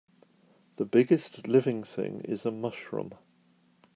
The biggest living thing is a mushroom.